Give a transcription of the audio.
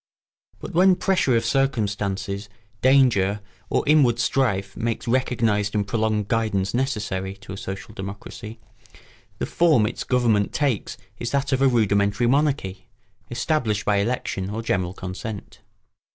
But when pressure of circumstances, danger, or inward strife makes recognised and prolonged guidance necessary to a social democracy, the form its government takes is that of a rudimentary monarchy, established by election or general consent.